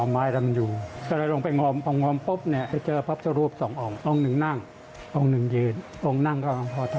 มาอยู่ในโบสถ์